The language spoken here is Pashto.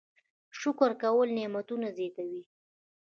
شکر کول نعمتونه زیاتوي